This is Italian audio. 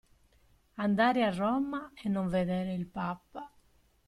Andare a Roma e non vedere il Papa.